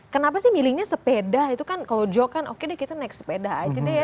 kenapa sih milihnya sepeda itu kan kalau jo kan oke deh kita naik sepeda aja deh ya